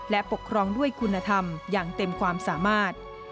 และปกครองด้วยคุณธรรมอย่างเต็มความสามารถ